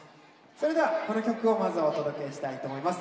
それでは、この曲をまずはお届けしたいと思います。